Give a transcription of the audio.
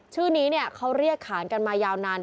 ชื่อนี้เขาเรียกขานกันมายาวนาน